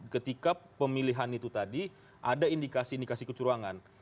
ketika pemilihan itu tadi ada indikasi indikasi kecurangan